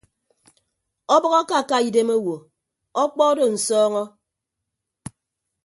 Ọbʌk akaka idem owo ọkpọ odo nsọọñọ.